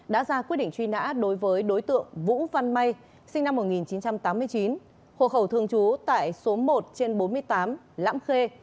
đã ra quyết định truy nã đối với đối tượng vũ văn may sinh năm một nghìn chín trăm tám mươi chín hộ khẩu thường trú tại số một trên bốn mươi tám lãm khê